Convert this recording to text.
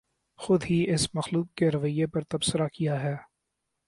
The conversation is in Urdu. خود ہی اس مخلوق کے رویے پر تبصرہ کیاہے